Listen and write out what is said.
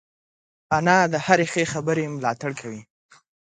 انا د هرې ښې خبرې ملاتړ کوي